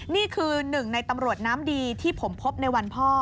นี่คือหนึ่งในตำรวจน้ำดีที่ผมพบในวันพ่อ